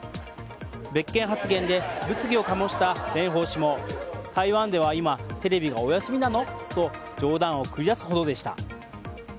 別件発言で物議を醸した蓮舫氏も台湾では今テレビがお休みなの？と冗談を繰り出すほどでした。